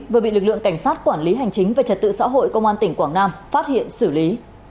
vừa bị lực lượng cảnh sát quản lý hành chính về trật tự xã hội công an tỉnh quảng nam phát hiện xử lý